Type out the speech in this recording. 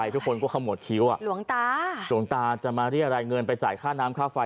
ทุกคนก็ขมวดคิ้วอ่ะหลวงตาหลวงตาจะมาเรียกรายเงินไปจ่ายค่าน้ำค่าไฟ